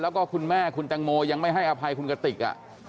แล้วก็คุณแม่คุณแตงโมยังไม่ให้อภัยคุณกติก